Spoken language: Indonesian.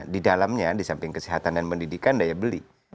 di dalamnya di samping kesehatan dan pendidikan daya beli